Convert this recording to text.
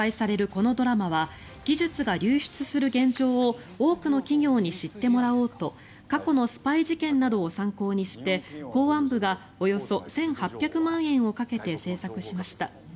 このドラマは技術が流出する現状を多くの企業に知ってもらおうと過去のスパイ事件などを参考にして公安部がおよそ１８００万円をかけて制作しました。